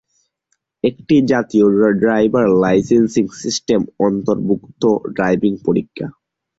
একটি জাতীয় driver licensing system অন্তর্ভুক্ত ড্রাইভিং পরীক্ষা।